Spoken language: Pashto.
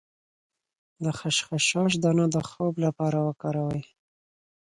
د خشخاش دانه د خوب لپاره وکاروئ